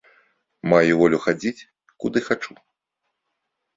Маю волю хадзіць, куды хачу.